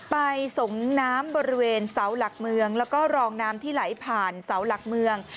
ไปส่งน้ำบริเวณเสาหลักเมืองแล้วก็รองน้ำที่ไหลผ่านเสาหลักเมือง